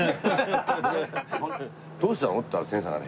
どうしたの？って言ったら千さんがね